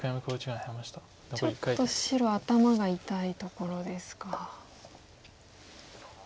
ちょっと白頭が痛いところですか。